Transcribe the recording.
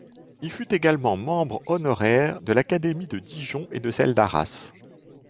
Il fut également membre honoraire de l'Académie de Dijon et de celle d'Arras.